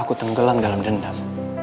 aku tenggelam dalam dendam